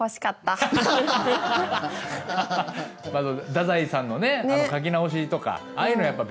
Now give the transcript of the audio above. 太宰さんのね書き直しとかああいうのやっぱ勉強になったから。